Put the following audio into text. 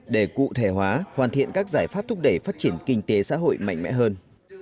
để cụ thể hóa hoàn thiện các giải pháp thúc đẩy phát triển kinh tế xã hội mạnh mẽ hơn